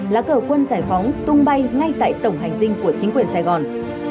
lá cờ quân giải phóng tung bay ngay tại tổng hành dinh của chính quyền sài gòn